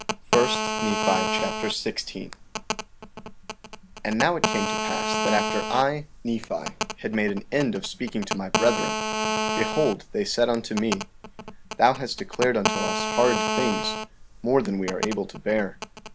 1 Nephi Chapter 16 16:1 And now it came to pass that after I, Nephi, had made an end of speaking to my brethren, behold they said unto me: Thou hast declared unto us hard things, more than we are able to bear.